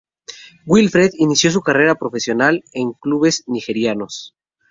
Wilfred inició su carrera profesional en clubes nigerianos.